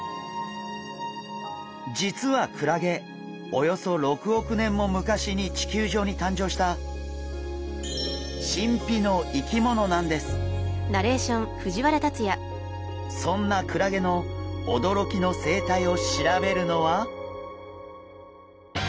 実はクラゲおよそ６億年も昔に地球上に誕生したそんなクラゲのおどろきの生態を調べるのは？